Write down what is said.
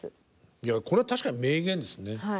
いやこれは確かに名言ですね。